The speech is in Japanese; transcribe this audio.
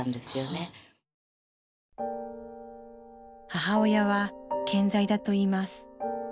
母親は健在だといいます。